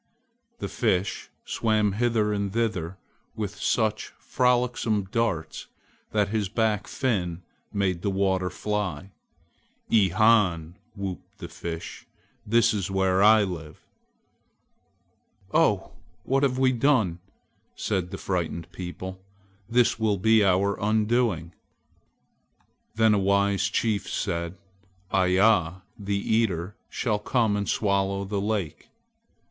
The Fish swam hither and thither with such frolicsome darts that his back fin made the water fly. "E han!" whooped the Fish, "this is where I live!" "Oh, what have we done!" said the frightened people, "this will be our undoing." Then a wise chief said: "Iya, the Eater, shall come and swallow the lake!"